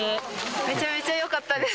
めちゃめちゃよかったです。